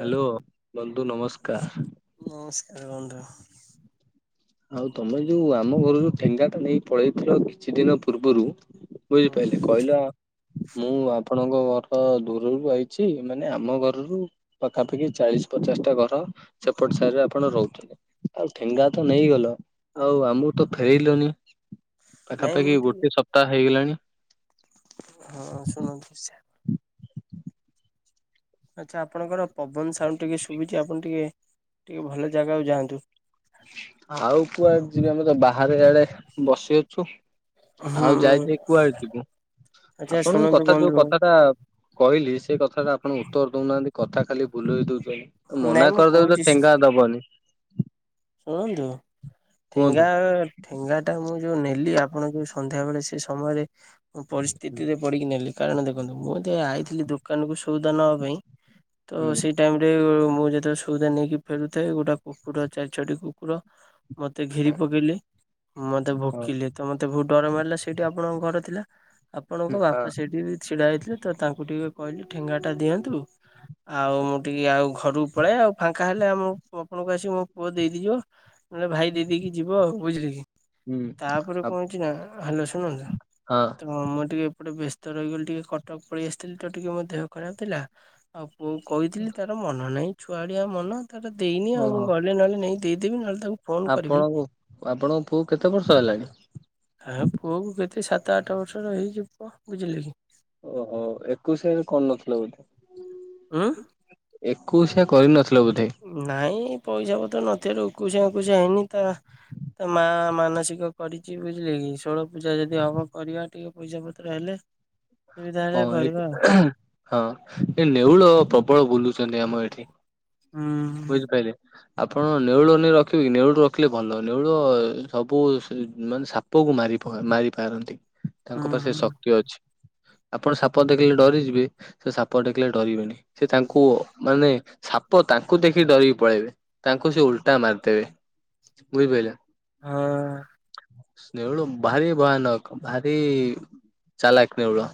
Hello ବନ୍ଧୁ ନମସ୍କାର। ଏ ବନ୍ଧୁ ଆଉ ତମେ ଯୋଉ ଆମ ଘରୁ ଯୋଉ ଠେଙ୍ଗା ଟା ନେଇ ପଳେଇଥିଲ କିଛି ଦିନ ପୂର୍ବରୁ ହଁ ବୁଝିପାଇଲେ କହିଲା ମୁଁ ଆପ ଆପଣଙ୍କ ଘର ଦୂରରୁ ଆଇଚି ମାନେ ଆମ ଘରରୁ ପାଖାପାଖି ଚାଳିଶ ପଚାଶ ଟା ଘର ସେପଟ ସାଇରେ ଆପଣ ରହୁଥିଲେ ଆଉ ଠେଙ୍ଗା ତ ନେଇଗଲ ଆଉ ଆମକୁ ତ ଫେରେଇଲନି ନାଇଁ ମୁଁ ପାଖାପାଖି ଟିକେ ଗୋଟେ ସପ୍ତାହ ହେଇଗଲାଣି ହଁ ଶୁଣନ୍ତୁ ସେ ଆଚ୍ଛା ଆପଣଙ୍କର ପବନ ସାଉଣ୍ଡ ଟିକେ ଶୁବିଛି ଆପଣ ଟିକେ- ଟିକେ ଭଲ ଜାଗାକୁ ଯାଆନ୍ତୁ। ଆଉ କୁଆଡେ ଯିବି ଆମେ ତ ବାହାରେ ଆଡେ ବସି ଅଛୁ। ଆଉ ଯାଇ ହୁଁ ଯାଇ କୁଆଡେ ଯିବୁ? ଆଚ୍ଛା ଆପଣଙ୍କ ଶୁଣନ୍ତୁ କଥା ଯୋଉ ବନ୍ଧୁ କଥା ଟା କହିଲି ସେ କଥା ଟା ଆପଣ ଉତ୍ତର ଦଉନାହାନ୍ତି? କଥା ଖାଲି ବୁଲେଇ ଦଉଛନ୍ତି ନାଇଁ ମନା ମୁଁ କରିଦବ ତ କହୁଛି ଠେଙ୍ଗା ଦବନି ଶୁଣନ୍ତୁ କୁହନ୍ତୁ। ଠେଙ୍ଗା ଠେଙ୍ଗା ଟା ମୁଁ ଯୋଉ ନେଲି ଆପଣ ଯୋଉ ସନ୍ଧ୍ୟା ବେଳେ ସେ ସମୟରେ ମୁଁ ପରିସ୍ଥିତିରେ ପଡିକି ନେଲି କାରଣ ଦେଖନ୍ତୁ ମୁଁ ଯୋଉ ଆଇଥିଲି ଦୋକାନକୁ ସଉଦା ନେବା ପାଇଁ ତ ହୁଁ ସେଇ ଟାଇମରେ ମୁଁ ଯେତବେଳେ ସୋଉଦା ନେଇକି ଫେରୁଥାଏ ଗୋଟା କୁକୁର ଚାରି ଛଅଟି କୁକୁର ମତେ ଘେରି ପକେଇଲେ ମତେ ହଁ ଭୋକିଲେ ତ ମତେ ବହୁତ ଡର ମାରିଲା ସେଇଠି ଆପଣଙ୍କ ଘର ଥିଲା। ଆପଣଙ୍କ ହଁ ବାପା ସେଇଟି ବି ଛିଡା ହେଇଥିଲେ ତ ତାଙ୍କୁ ଟିକେ କହିଲି ଠେଙ୍ଗା ଟା ଦିଅନ୍ତୁ। ଆଉ ମୁଁ ଟିକେ ଆଉ ଘରୁକୁ ପଳାଏ ଆଉ ଫାଙ୍କା ହେଲେ ଆମ ଆପଣଙ୍କୁ ଆସି ମୁଁ ପୁଅ ଦେଇଦେଇଯିବ ନହେଲେ ଭାଇ ଦେଇଦେଇକି ଯିବ ବୁଝିଲେ କି ହୁଁ ତାପରେ କଣ ହେଇଛି ନା ହାଲୋ ଶୁଣନ୍ତୁ ହଁ ତେଣୁ ମୁଁ ଟିକେ ଏପଟେ ବ୍ୟସ୍ ତ ରଇଗଲି ଟିକେ କଟକ ପଳେଇ ଆସିଥିଲି ତ ଟିକେ ମୋ ଦେହ ଖରାପ ଥିଲା ଆଉ ପୁଅକୁ କଇଥିଲି ତାର ମନ ନାହିଁ ଛୁଆଳିଆ ମନ ତାର ଦେଇନି ଆଉ ମୁଁ ଓହୋ ଗ ନେଇକି ଦେଇ ଦେବି ନ ହେଲେ ଆପଣଙ୍କୁ ଆପଣଙ୍କ ପୁଅ କେତେ ବର୍ଷ ହେଲାଣି? ହେ ପୁଅ କୁ କେତେ ସାତ ଆଠ ବର୍ଷର ହେଇଚି ପୁଅ। ବୁଝିଲେ କି? ଓହୋ ଏକୋଇଶା ଏବେ କରନଥିଲ ବୋଧେ? ଉଁ ଏକୋଇଶିଆ କରିନଥି ନାଇଁ ପଇସା ପତ୍ର ନଥିବାରୁ ଏକୋଇଶିଆ ମେକୋଇଶା ହେଇନି ତା ତା ମା ମାନସିକ କରିଚି ବୁଝିଲେ କି ଷୋଳ ପୂଜା ଯଦି ହବ କରିବା ଟିକେ। ପଇସା ପତ୍ର ହେଲେ ସୁବିଧା ହଁ ହେଲେ ଏଇଟି କରିବା ଆଉ ହେଁ ହଁ ଏ ନେଉଳ ପ୍ରବଳ ବୁଲୁଚନ୍ତି ଆମ ଏଠି। ହୁଁ ବୁଝିପାଇଲେ? ଆପଣ ନେଉଳ ନେଇ ରଖିବେ କି ନେଉଳକୁ ରଖିଲେ ଭଲ ନେଉଳ ଏ ସବୁ ସି ମାନେ ସାପ କୁ ମାରେ। [unintelligible] ମାରି ପାରନ୍ତି ତାଙ୍କ ହୁଁ ପା ସେ ଶକ୍ତି ଅଛି। ଆପଣ ସାପ ଦେଖିଲେ ଡରିଯିବେ ସେ ସାପ ଦେକିଲେ ଡରିବେନି ସେ ତାଙ୍କୁ ମାନେ ସାଆ ସାପ ତାଙ୍କୁ ଦେଖିକି ଡରିକି ପଳେଇବେ ତାଙ୍କୁ ସେ ଓଲଟା ମାରିଦେବେ ବୁଝିପାଇଲ। ହଁ। ନେଉଳ ଭାରି ଭୟାନକ ଭାରି ଚାଲାକ ନେଉଳ।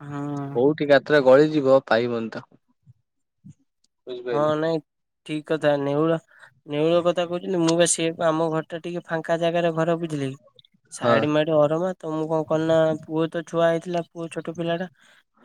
ହଁ କୋଉଠି ଗାତରେ ଗଳିଯିବ ପାଇବନି ତାକୁ। ହଁ ବୁଝିପାରିଲେ ନାଇଁ ଠିକ କଥା ନେଉଳ ନେଉଳ କଥା କଉଚ ମୁଁ ବା ସିଏ ଆମ ଘର ଟା ଟିକେ ଫାଙ୍କା ଜାଗାରେ ଘର ବୁଝିଲେକି ହଁ ସାଇଟ୍ ମାଇଟ୍ ଅରମା। ତ ମୁଁ କଣ କନି ନା ପୁଅ ତ ଛୁଆ ହେଇଥିଲା ପୁଅ ଛୋଟ ପିଲା ଟା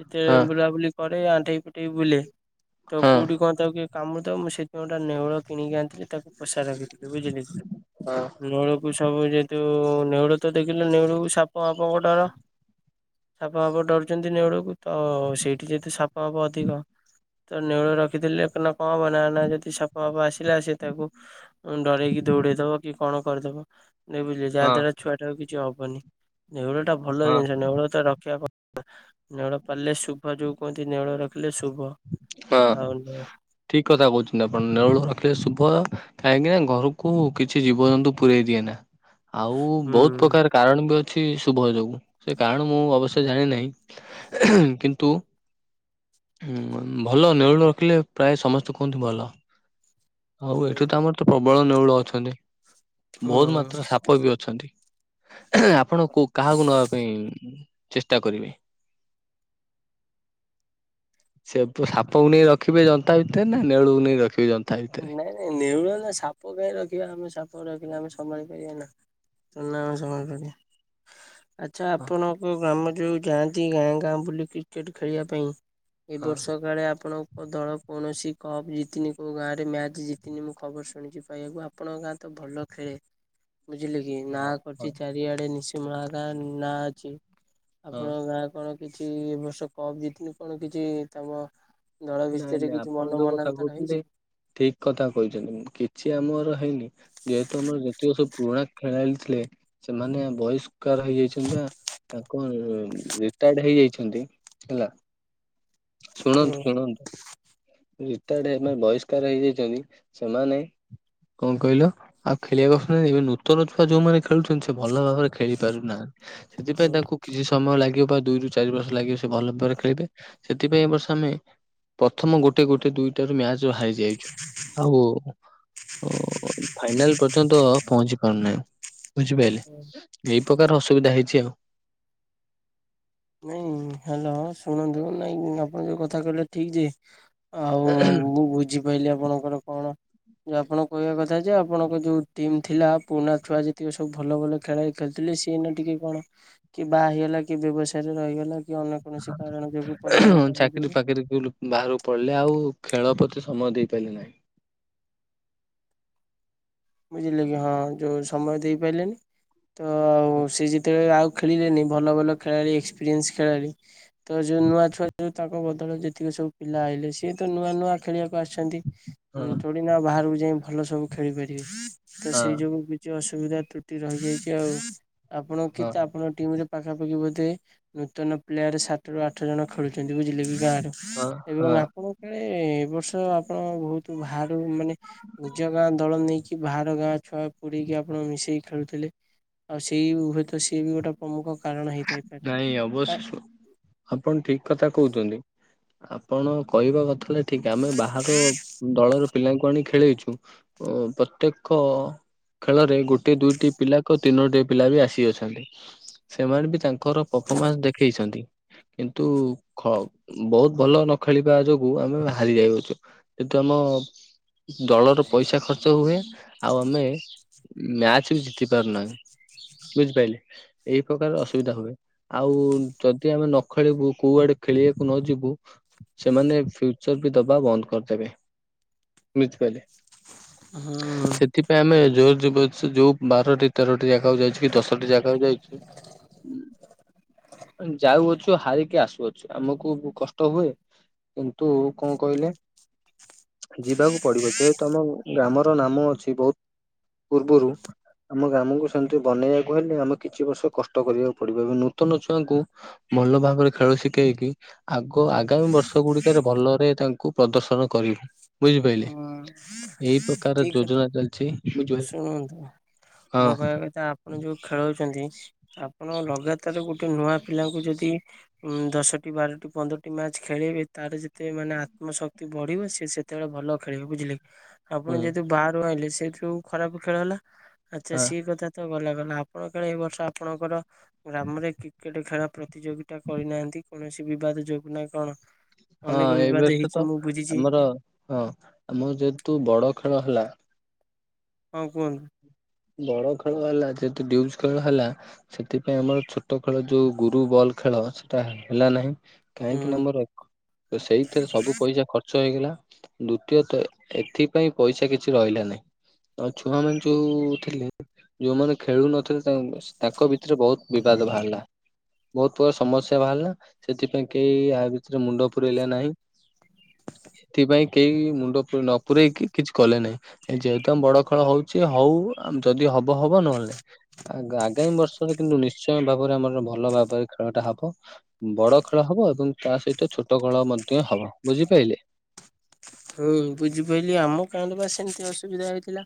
ଯେତେ ହଁ ବୁଲାବୁଲି କରି ଏ ଆଣ୍ଠେଇ ପେଟେଇ ବୁଲେ। ହଁ କଉଠି କଣ ତାକୁ କିଏ କାମୁଡିଦବ ମୁଁ ସେଇଥିପାଇଁ ଗୋଟେ ନେଉଳ କିଣିକି ଆଣିଥିଲି ତାକୁ ପୋଷା ରଖିଥିଲି ବୁଝିଲେ କି ହଁ ନେଉଳକୁ ସବୁ ଯେ ଯଉ ନେଉଳ ତ ଦେଖିଲେ ନେଉଳକୁ ସାପ ଫାପ ଡର । ସାପ ଫାପ ଡରୁଚନ୍ତି ନେଉଳକୁ ତ ସେଇଠି ଯେହେତୁ ସାପ ହାପ ଅଧିକ। ତ ନେଉଳ ର ରଖି ଦେଲେ କଣ ନା କଣ ହବ ନା ନା ଯଦି ସାପ ଫାପ ଆସିଲା ସେ ତାକୁ ଡରେଇକି ଦୌଡେଇଦବ କି କଣ କରିଦବ ନ ବୁଝିଲେ ଯାହା ଦ୍ଵାରା ହଁ ଛୁଆ ଟା କୁ କିଛି ହବନି। ନେଉଳ ଟା ଭଲ ଜିନିଷ ନେଉଳ ତ ରଖିବା କ ନେଉଳ ପାଳିଲେ ଶୁଭ ଯୋଉ କୁହନ୍ତି ନେଉଳ ରଖିଲେ ଶୁଭ। ଅ ଆଉ ହୁଁ। ଠିକ କଥା କହୁଛନ୍ତି ଆପଣ ନେରଳ ରଖିଲେ ଶୁ ଭ କାହିଁକି ନା ଘରୁକୁ କିଛି ଜୀବଜନ୍ତୁ ପୁରେଇ ଦିଏ ନା। ଆଉ ବହୁତୁ ପ୍ରକାର କାରଣ ବି ଅ ଛି ଶୁଭ ଯୋଗୁଁ ସେ କାରଣ ମୁଁ ଅବଶ୍ୟ ଜାଣିନାହିଁ ହେଁ କିନ୍ତୁ। ହୁଁ ଭଲ ନେଉଳ ରଖିଲେ ପ୍ରାୟ ସମସ୍ତେ କୁହନ୍ତିୁ ଭଲ। ଆଉ ହୁଁ। ଏଠୁ ତ ଆମର ତ ପ୍ରବଳ ନେଉଳ ଅଛନ୍ତି। ବହୁତୁ ହୁଁ। ମାତ୍ରା ସାପ ବି ଅଛନ୍ତି ହେଁ ଆପଣ କୋଉ କାହାକୁ ନବା ପାଇଁ ଚେଷ୍ଟା କରିବେ। ସବୁ ସାପ କୁ ନେଇ ରଖିବେ ଯନ୍ତା ଭିତରେ ନା ନେଉଳୁକୁ ନେଇ ରଖିବେ ଯ ନାଇଁ ନାଇଁ ନେଉଳ ନା ସାପ କାଇଁ ରଖିବା ଆମେ ସାପ ରଖିଲେ ଆମେ ସମ୍ଭାଳି ପାରିବା ନା। ତ ନା ଆମେ ସମ୍ଭାଳି ପାରିବା। ଆଚ୍ଛା ହଁ ଆପଣଙ୍କ ଗ୍ରାମ ଯୋଉ ଯାଆନ୍ତି ଗାଁ ଗାଁ ବୁଲି କ୍ରିକେଟ୍ ଖେଳିବା ପାଇଁ ଏ ହଁ ବର୍ଷ କାଳେ ଆପଣଙ୍କ ଦଳ କୌଣସି କପ୍ ଜିତିନି କୋଉ ଗାଁ ରେ ମ୍ୟାଚ୍ ଜିତିନି ମୁଁ ଖବର ଶୁଣିକି ପାଇବାକୁ ଆପଣଙ୍କ ଗାଁ ତ ଭଲ ଖେଳେ। ବୁଝିଲେ କି ନାଁ ହଁ କରଚି ଚାରିଆଡ଼େ ନିଶିନୂଆଗାଁ ନାଁ ଅଛି। ହଁ ଆପଣଙ୍କ ଗାଁ କଣ କିଛି ଏ ବର୍ଷ କପ୍ ଜତିନି କଣ କିଛି ତମ ନଳ ଭିତରେ କିଛି ମନ ମନାନ୍ତର ହେଇଚି? ଠିକ୍ କଥା କହିଚନ୍ତି। କିଛି ଆମର ହେଇନି ଯେହେତୁ ଆମର ଯେତିିକ ସବୁ ପୁରୁଣା ଖେଳାଳି ଥିଲେ ଏ ସେମାନେ ବହିଷ୍କାର ହେଇଯାଇଛନ୍ତି ବା। ତାଙ୍କ ରିଟାୟାର୍ଡ଼ ହେଇଯାଇଛନ୍ତି ହେଲା। ହୁଁ ଶୁଣନ୍ତୁ ଶୁଣନ୍ତୁ। ରିଟାର୍ଡ଼ ହେନ ବହିଷ୍କାର ହେଇଯାଇଛନ୍ତି ସେମାନେ କଁ କହିଲ ଆଉ ଖେଳିବାକୁ ଆସୁନାନ୍ତି ଏବେ ନୂତନ ଛୁଆ ଯୋଉମାନେ ଖେଳୁଛନ୍ତି ସେ ଭଲ ଭାବରେ ଖେଳି ପାରୁନାହା ହୁଁ ହେତିପାଇଁ ତାଙ୍କୁ କିଛି ସମୟ ଲାଗିଅ। ବ ଦୁଇରୁ ଚାରି ବର୍ଷ ଲାଗିବ ସେ ଭଲ ବରେ ଖେଳିବେ ସେଥିପାଇଁ ଏ ବର୍ଷ ଆମେ ପ୍ରଥମ ଗୋ ଟେ ଗୋଟେ ଦୁଇଟାରୁ ମ୍ୟାଚ୍ ବାହାରି ଯାଇଚୁ ଆଉ ଓ ଫାଇନାଲ୍ ପର୍ଯ୍ୟନ୍ତ ପହଞ୍ଚି ପାରୁନାହିଁ। ବୁଝିପାଇଲେ? ହୁଁ। ଏଇ ପକାର ଅସୁବିଧା ହେଇଚି ଆଉ। ନାଇଁ ହ୍ୟାଲୋ ଶୁଣନ୍ତୁ ନାଇଁ ଆପଣ ଯୋଉ କଥା କହିଲେ ଠିକ୍ ଯେ ଆଉ ମୁଁ ବୁଝିପାଇଲି ଆପଣଙ୍କର କଣ ଯୋ ଆପଣ କହିବା କଥା ଯେ ଆପଣଙ୍କ ଯୋଉ ଟିମ୍ ଥିଲା ପୁରୁଣା ଛୁଆ ଯେତିକ ସବୁ ଭଲ ଭଲ ଖେଳେ ଖେ ଥିଲେ ସିଏ ଏନା ଟିକେ କଣ କିଏ ବାହା ହେଇଗଲା କିଏ ବ୍ୟବସାୟରେ ରହିଗଲା। କି ଅନ୍ୟ କୌଣସି କାରଣ ଯୋଗୁ ହଁ ପରିବାର କାରଣ ଚାକିରି ଯୋଗୁ ଫାକିରି କୁଲୁ ବାହାରୁକୁ ପଳଲେ ଆଉ ଖେଳ ପତି ସମୟ ଦେଇପାଇଲେ ନାହିଁ। ବୁଝିଲେ କି ହଁ ଯୋଉ ସମୟ ଦେଇପାଇଲେନି ତ ଆଉ ସିଏ ଯେତେଳେ ଆଉ ଖେଳିଲେନି ଭଲ ଭଲ ଖେଳାଳି ଏକ୍ସପିରିଏନ୍ସ ଖେଳାଳି ତ ଯୋଉ ନୂଆ ଛୁଆ ଯୋଉ ତାଙ୍କ ବଦଳ ଯେତିକ ସବୁ ପିଲା ଆଇଲେ ସିଏ ତ ନୂଆ ନୂଆ ଖେଳିବାକୁ ଆସିଛନ୍ତି। ହଁ ଉଁ ଥୋଡି଼ନା ବାହାରୁକୁ ଯାଇଁ ଭଲ ସବୁ ଖେଳି ପାରିବେ ତ ହଁ ସେଇ ଯୋଗୁ କିଛି ଅସ୍ ଉବିଧା ତ୍ରୁଟି ରହିଯାଇଚି ଆଉ ଆପଣ କି ହଁ ତା ଆପଣ ଟିମ୍ ରେ ପାଖାପାଖି ବୋଧେ ନୂତନ ପ୍ଲେୟାର୍ ସାତ ରୁ ଆଠ ଜଣ ଖେଳୁଚନ୍ତି ବୁଝିଲେ କି ଗାଁ ହଁ ହଁ ଏବଂ ଆପଣଉ କାଳେ ଏ ବର୍ଷ ତ ଆପଣ ବୋହୁତୁ ଭାରୁ ମାନେ ନିଜ ଗାଁ ଦଳ ନେଇ ଛି ବାହାର ଗାଁ ଛୁଆ ପୁଡ଼େଇକି ଆପଣ ମିଶେଇକି ଖେଳୁଥୁଲେ। ଆଉ ସେଇ ହୁଏ ତ ସିଏ ବି ଗୋଟେ ପମୁଖ ନାଇଁ ଅବଶ୍ୟ ଆପଣ ଠିକ୍ କଥା କୋହୁଚନ୍ତି। ଆପଣ କହିବା କଥା ହେଲା ଠିକ୍ ଆମେ ବାହାର ଦଳର ପିଲାଙ୍କୁ ଆଣି ଖେଳେଇଛୁ ଅ ଓ ପତ୍ୟେକ ଖେଳରେ ଗୋଟିଏ ଦୁଇଟି ପିଲାକୁ ତିନୋଟି ପିଲା ବି ଆସିଅଛନ୍ତି। ସେମାନେ ବି ତାଙ୍କର ପଫମାନ୍ସ୍ ଦେଖେଇଛନ୍ତି। କିନ୍ତୁ ଖ ବହୁତ ଭଲ ନ ଖେଳିବା ଯୋଗୁ ଆମେ ହାରିଯାଇଅଛୁ କିନ୍ତୁ ଆ ମ ଦଳର ପଇସା ଖର୍ଚ୍ଚ ହୁଏ ଆଉ ଆମେ ମ୍ୟାଚ୍ ବି ଜିତି ପାରୁନାଁ, ବୁଝିପାଇଲେ? ଏଇ ପକାର ଅସୁବିଧା ହୁଏ। ଆଉ ଯଦି ଆମେ ନ ଖେଳିବୁ କୋଉ ଆଡ଼େ ଖେଳିବାକୁ ନ ଯିବୁ ସେମାନେ ଫ୍ୟୁଚର୍ ବି ଦବା ବନ୍ଦ କରିଦେବେ। ବୁଝିପାଇଲେ? ହଁ ସେଥିପାଇଁ ଆମେ ଜୋର ଯ ବାଛ ଯୋଉ ବାରଟି ତେରଟି ଜାଗାକୁ ଯାଇଚୁ କି ଦଶଟି ଜାଗାକୁ ଯାଇଚୁ ଯାଉଅଛୁ ହାରିକି ଆସୁଅଛୁ ଆମକୁ କଷ୍ଟ ହୁଏ। କିନ୍ତୁ କଁ କହିଲେ ଯିବାକୁ ପଡ଼ିବ ଯେହେତୁ ଆମ ଗ୍ରାମର ନାମ ଅଛି ବହୁ ପୂର୍ବରୁ ଆମ ଗାମକୁ ସେମିତି ବନେଇବାକୁ ହେଲେ ଆମେ କିଛି ବର୍ଷ କଷ୍ଟ କରିବାକୁ ପଡ଼ିବ ଏବେ ନୂତନ ଛୁଆଙ୍କୁ ଭଲ ଭାବରେ ଖେଳ ଶିକେଇକି ଆଗ ଓ ଆଗାମୀ ବର୍ଷ ଗୁଡିକରେ ଭଲରେ ତାଙ୍କୁ ପ୍ରଦର୍ଶନ କରିବୁ। ବୁଝିପାଇଲେ? ଏଇ ପ୍ରକାର ଠିକ ଅଛି ଯୋଜନା ଚାଲିଛି। ବୁଝିପାଇଲେ? ମୁଁ କହିବା କଥା ଆପଣ ଯୋଉ ଖେଳଉଛନ୍ତି ଆପଣ ଲଗାତାର ଗୋଟେ ନୂଆ ପିଲାଙ୍କୁ ଯଦି ଉଁ ଦଶଟି ବାରଟି ପନ୍ଦରଟି ମ୍ୟାଚ ଖେଳେଇବେ ତାର ଯେତେ ମାନେ ଆ ଆତ୍ମଶକ୍ତି ବଢିବ ସେ ସେତେବେଳେ ଭଲ ଖେଳିବ। ବୁଝିଲେ? ଆପଣ ହୁଁ ଯେହେତୁ ବାହାରୁ ଆଇଁଲେ ସେଇଠୁ ଖରାପ ଖେଳ ହେଲା ଆଚ୍ଛା ହଁ ସିଏ କଥା ତ ଗଲା ଗଲା ଆପଣ କାଳେ ଏ ବର୍ଷ ଆପଣଙ୍କର ଗ୍ରାମରେ କ୍ରିକେଟ ଖେଳ ପ୍ରତିଯୋଗିତା କରିନାହାନ୍ତି କୌଣସି ବିବାଦ ଯୋଗୁନା କଣ? ହଁ ଅନେକ ବିବାଦ ଏବର୍ଷ ହେଇଛି ତ ମୁଁ ବୁଝିଛି ଆମର ହଁ ଆମର ଯେହେତୁ ବଡ ଖେଳ ହେଲା। ହଁ କୁହନ୍ତୁ। ବଡ ଖେଳ ହେଲା ଯେତେ ଡିଉଜ୍ ଖେଳ ହେଲା ସେଥିପାଇଁ ଆମର ଛୋଟ ଖେଳ ଯୋଉ ଗୁରୁ ବଲ ଖେଳ ସେଟା ହେ-ହେଲା ନାହିଁ ହୁଁ କାହିଁକି ନା ଆମର ଏ ସେଇଥିରେ ସବୁ ପଇସା ଖର୍ଚ୍ଚ ହେଇଗଲା ଦ୍ଵିତୀୟତ ଏଥିପାଇଁ ପଇସା କିଛି ରହିଲା ନାହିଁ। ଆଉ ଛୁଆ ମାନେ ଯୋଉ। ଥିଲେ ଯୋଉମାନେ ଖେଳୁ ନଥିଲେ ତାମ ତାଙ୍କ ଭିତରେ ବହୁତ ବିବାଦ ବାହାରିଲା। ବହୁତ ପ୍ରକାର ସମସ୍ୟା ବାହାରିଲା ସେଥିପାଇଁ କେହି ଆ ଭିତରେ ମୁଣ୍ଡ ପୁରେଇଲେ ନାହିଁ। ଏଥିପାଇଁ କେହି ମୁଣ୍ଡ ପୁ ନ ପୂରେଇକି କିଛି କଲେ ନାହିଁ ଏ ଯେହେତୁ ଆମ ବଡ ଖେଳ ହଉଛି ହଉ। ଅ ଯଦି ହବ ହବ ନହେଲେ ନାଇ ଆ-ଆଗାମୀ ବର୍ଷରେ କିନ୍ତୁ ନିଶ୍ଚୟ ଭାବରେ ଆମର ଭଲ ଭାବରେ ଖେଳ ଟା ହବ ଉଁ ବଡ ଖେଳ ହବ ଏବଂ ତା ସହିତ ଛୋଟ ଖେଳ ମଧ୍ୟ ହବ। ବୁଝିପାଇଲେ? [inaudible] ହୁଁ ବୁଝିପାରିଲି। ଆମ ଗାଁ ରେ ବା ସେମିତି ଅସୁବିଧା ହେଇଥିଲା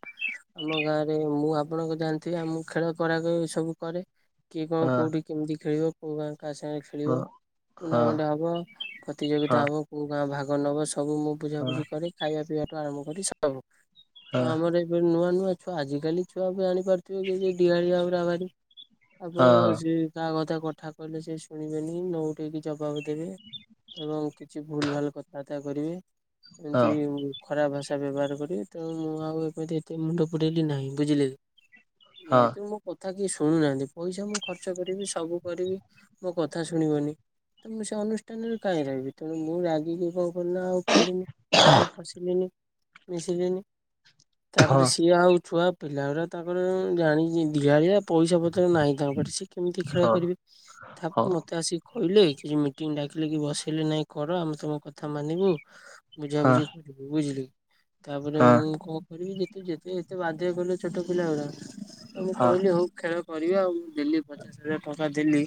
ଆମ ଗାଁ ରେ ମୁଁ ଆପଣ ଆ ଜାଣିଥିବେ ଆମ ଖେଳ କରାକ ସବୁ କରେ କିଏ କଣ ହଁ କୋଉଠି କେମିତି ଖେଳିବ କୋଉ ଗାଁ କାହା ସାଙ୍ଗରେ ହଁ ଖେଳିବ ହଁ ଟୁର୍ନାମେଣ୍ଟ ହେବ ହଁ ପ୍ରତିଯୋଗିତା ହେବ କଉ ଗାଁ ଭାଗ ନବ ସବୁ ମୁଁ ବୁଝାବୁଝି କରେ ଖାଇବା ପିଇବାଠୁ ଆରମ୍ଭ କରି ସବୁ ତ ହଁ ଆମର ଏବେ ନୂଆ ନୂଆ ଛୁଆ ଆଜିକାଲି ଛୁଆ ବି ଜାଣି ପାରୁଥିବେ ଯେ କି ଡିହାଳିଆ ଗୁରା ଭାରି। ଆପଣ ହଁ ସେ କାହା କଥା କଥା କହିଲେ ସେ ଶୁଣିବେନି ନ ଉଠେଇକି ଜବାବ ଦେବେ ଏବଂ କିଛି ଭୁଲ ଭାଲ କଥାବାର୍ତ୍ତା କରିବେ ଏମିତି ହଁ ଖରାପ ଭାଷା ବ୍ୟବହାର କରିବେ ତେଣ ମୁଁ ଆଉ ଏମିତି ଏତେ ମୁଣ୍ଡ ପୁରେଇଲି ନାହିଁ। ବୁଝିଲେ? ହଁ ଯେହେତୁ ମୋ କଥା କିଏ ଶୁ ଶୁଣୁନାହାନ୍ତି ପଇସା ମୁଁ ଖର୍ଚ୍ଚ କରିବି ସବୁ କରିବି ମୋ କଥା ଶୁଣିବନି। ତ ମୁଁ ସେ ଅନୁଷ୍ଠାନରେ କାହିଁ ରହିବି ତେଣୁ ମୁଁ ରାଗିକି କଣ କଲିନା ଆଉ କଲି ମୁଁ ପଶିଲିନି ମିଶିଲିନି ହଁ ହଁ ତାପରେ ସିଏ ଆଉ ଛୁଆ ପିଲା ଗୁଡ଼ା ତାଙ୍କର ଜାଣିଛି ଧିଆଳିଆ। ପଇସା ପତ୍ର ନାହିଁ ତାଙ୍କ ପାଖରେ ସେ କେମିତି ଖେଳ ହଁ କରିବେ? ତା ହଁ ହଁ ମତେ ଆସିକି କହିଲେ ଇ ଯଉ ମିଟିଙ୍ଗ ଡାକିଲେ କି ବସେଇଲେ ନାଇଁ କର ଆମେ ତମ କଥା ମାନିବୁ। ହଁ ବୁଝାବୁଝି କରିବୁ ବୁଝିଲେ ତାପରେ ମୁଁ କଣ କରିବି ଯେତେ ଯେତେ ଏତେ ବାଧ୍ୟ କଲ ଛୋଟ ପିଲା ଗୁରା ଆଉ ମୁଁ ହଁ କହିଲି ହଉ ଖେଳ କରିବା ଆଉ ଦେଲି ପଚାଶ ହଜାର ଟଙ୍କା ଦେଲି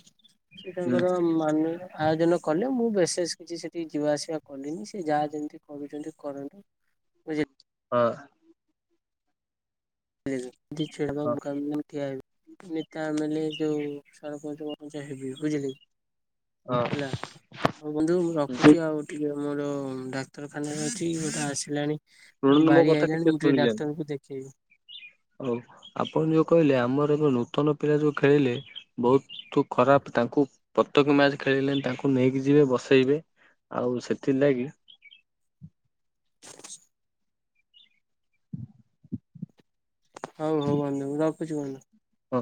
ସେ ତାଙ୍କର ମାନ ଆୟୋଜନ କଲେ ମୁଁ ବେଶେଷ କିଛି ସେଠି ଯିବା ଆସିବା କଲିନି ସେ ଯାହା ଯେମ ତି କରୁଛନ୍ତି କରନ୍ତୁ ବୁଝି ହଁ। ଏ ଯଉ ଯେ ଛିଡ଼ା ହବ ମୁଖା ପିନ୍ଧି ଠିଆ ହେବି ନେତା ମାନେ ଯୋଉ ସରପଞ୍ଚ ପଞ୍ଚ ହେବି ବୁଝିଲେ ହଁ ହଁ ହେଲା ହଉ ବନ୍ଧୁ ମୁଁ ରଖୁଛି ଆଉ ଟିକେ ମୋର ଡାକ୍ତରଖାନାରେ ଅଛି ଗୋଟେ ଆସିଲାଣି। ମୋ ଶୁଣନ୍ତୁ ବାରି କଥା ଆଇଲଣି ମୁଁ ଟିକେ ଶୁଣିଯାଆନ୍ତୁ। ଡାକ୍ତରଙ୍କୁ ଦେଖେଇବି। ହଉ ଆପଣ ଯୋଉ କହିଲେ ଆମର ଏବେ ନୂତନ ପିଲା ଯୋଉ ଖେଳିଲେ ବହୁତୁ ଖରାପ ତାଙ୍କୁ ପ୍ରତ୍ୟେକ ମ୍ୟାଚ ଖେଳେଇଲେନି ତାଙ୍କୁ ନେଇକି ଯିବେ ବସେଇବେ। ଆଉ ସେଥିର ଲାଗି। ହଉ ହଉ ବନ୍ଧୁ ମୁଁ ରଖୁଛି ବନ୍ଧୁ। ହଁ।